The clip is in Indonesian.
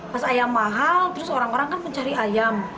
pas ayam mahal terus orang orang kan mencari ayam